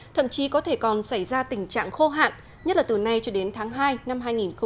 thậm chí có thể còn xảy ra tình trạng khô hạn nhất là từ nay cho đến tháng hai năm hai nghìn hai mươi